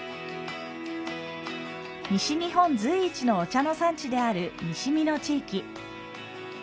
西日本随一のお茶の産地である西美濃地域。